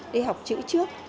đi học chữ trước